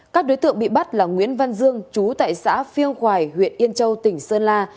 các đối tượng bị bắt là nguyễn văn dương chú tại xã phiêu hoài huyện yên châu tỉnh sơn la